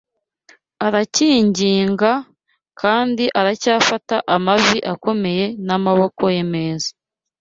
aracyinginga, kandi aracyafata amavi akomeye n'amaboko ye meza